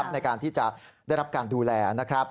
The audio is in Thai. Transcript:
ในการที่จะได้รับการดูแล